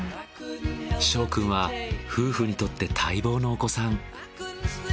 翔くんは夫婦にとって待望のお子さん。